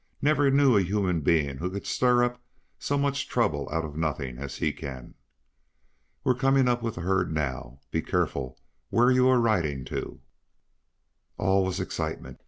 Never knew a human being who could stir up so much trouble out of nothing as he can. We're coming up with the herd now. Be careful where you are riding, too." All was excitement.